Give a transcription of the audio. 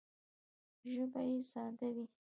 ژبه یې ساده وي